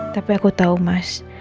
tapi aku tahu mas